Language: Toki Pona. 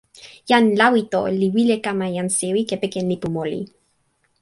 jan Lawito li wile kama jan sewi kepeken lipu moli.